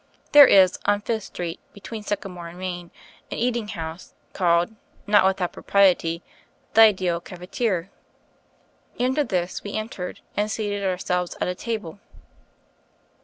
There is, on Fifth St. between Sycamore and Main, an eating house, called, not without propriety, the Ideal Cafetiere. Into this we en tered, and seated ourselves at a table.